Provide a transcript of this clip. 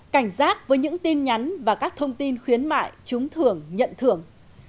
cảnh giác với những tin nhắn và các thông tin khuyến mại chúng thường nhận thưởng